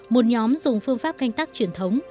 một nhóm dùng phương pháp canh tắc truyền thống